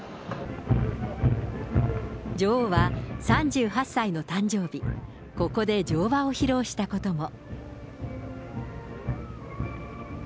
女王は３８歳の誕生日、ここで乗馬を披露したことも。